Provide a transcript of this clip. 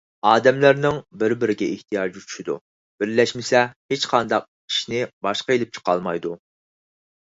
ئادەملەرنىڭ بىر - بىرىگە ئېھتىياجى چۈشىدۇ، بىرلەشمىسە، ھېچقانداق ئىشنى باشقا ئېلىپ چىقالمايدۇ.